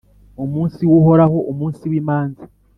Umunsi w’Uhoraho, umunsi w’imanza